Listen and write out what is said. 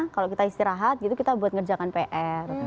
kalau kita istirahat gitu kita buat ngerjakan pr